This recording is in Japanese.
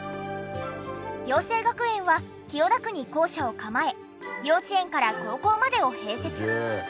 暁星学園は千代田区に校舎を構え幼稚園から高校までを併設。